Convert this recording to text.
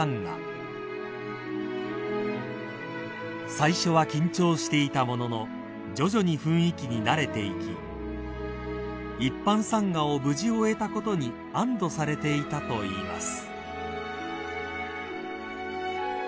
［最初は緊張していたものの徐々に雰囲気に慣れていき一般参賀を無事終えたことに安堵されていたといいます］